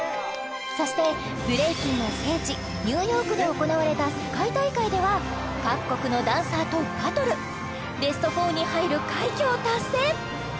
そしてブレイキンの聖地ニューヨークで行われた世界大会では各国のダンサーとバトルベスト４に入る快挙を達成！